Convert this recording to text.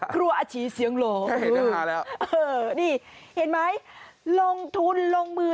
ครัวอาชีเสียงโหลนี่เห็นไหมลงทุนลงมือ